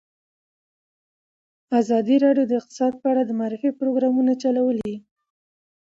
ازادي راډیو د اقتصاد په اړه د معارفې پروګرامونه چلولي.